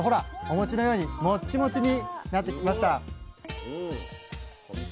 お餅のようにもっちもちになってきました！